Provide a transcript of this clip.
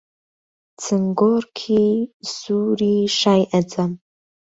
چنگۆڕکی سووری شای عەجەم...